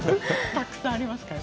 たくさんありますから。